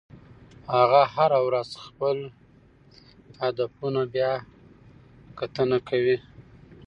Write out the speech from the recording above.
هغه هره ورځ خپل هدفونه بیاکتنه کوي.